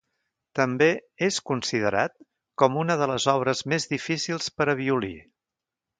També és considerat com una de les obres més difícils per a violí.